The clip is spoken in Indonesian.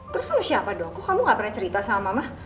terus lalu siapa dong kok kamu gak pernah cerita sama mama